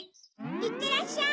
いってらっしゃい！